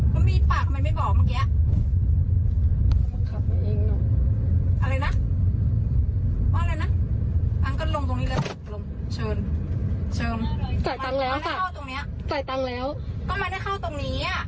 ก็บอกว่าไม่เคยเข้าทางนี้